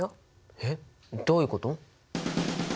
えっどういうこと？